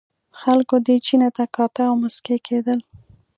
خلکو دې چیني ته کاته او مسکي کېدل.